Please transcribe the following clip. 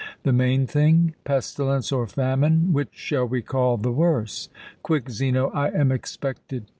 "The main thing? Pestilence or famine which shall we call the worse?" "Quick, Zeno! I am expected."